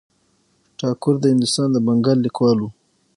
ټاګور د هندوستان د بنګال لیکوال و.